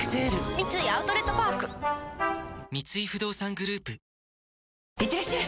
三井アウトレットパーク三井不動産グループいってらっしゃい！